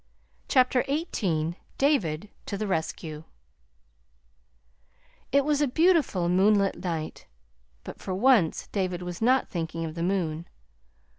CHAPTER XVIII DAVID TO THE RESCUE It was a beautiful moonlight night, but for once David was not thinking of the moon.